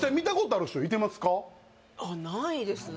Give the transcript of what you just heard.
あっないですね